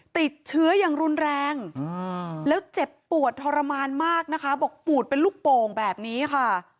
ติดเชื้ออย่างรุนแรงแล้วเจ็บปวดทรมานมากนะคะบอกปูดเป็นลูกโป่งแบบนี้ค่ะ